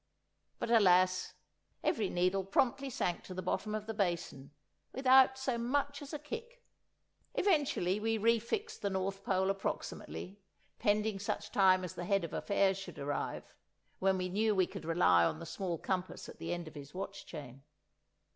But alas, every needle promptly sank to the bottom of the basin, without so much as a kick! Eventually we refixed the north pole approximately, pending such time as the Head of Affairs should arrive, when I knew we could rely on the small compass at the end of his watch chain.